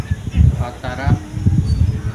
خطرا